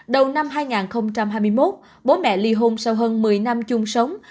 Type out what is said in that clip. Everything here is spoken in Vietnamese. đầu năm hai nghìn hai mươi một bố mẹ ly hôn sau hơn một mươi năm chung sống